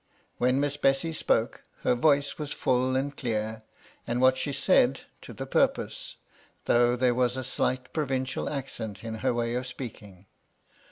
When Miss Bessy spoke, her voice was full and clear, and what she said, to the purpose, though there was a slight provincial accent in her way of speaking.